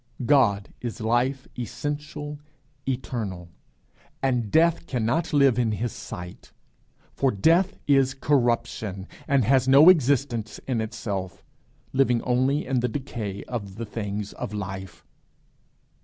God is life essential, eternal, and death cannot live in his sight; for death is corruption, and has no existence in itself, living only in the decay of the things of life.